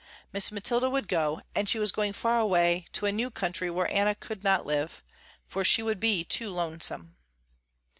Miss Mathilda would go, and she was going far away to a new country where Anna could not live, for she would be too lonesome.